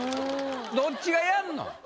どっちがやんの？